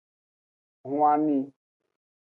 Hwanni.